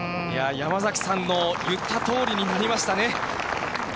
山崎さんの言ったとおりになりましたね。